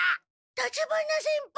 立花先輩！